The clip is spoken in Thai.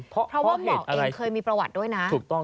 เพราะว่าหมอกเองเคยมีประวัติด้วยนะ